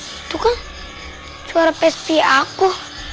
itu kan suara pesti aku